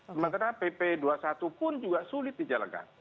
sementara pp dua puluh satu pun juga sulit dijalankan